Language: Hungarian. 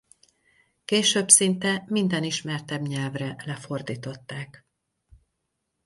Később szinte minden ismertebb nyelvre lefordították.